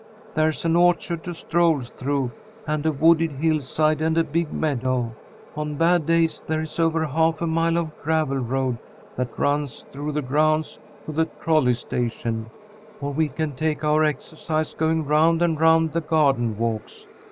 There's an orchard to stroll through, and a wooded hillside, and a big meadow. On bad days there is over half a mile of gravel road that runs through the grounds to the trolley station, or we can take our exercise going round and round the garden walks.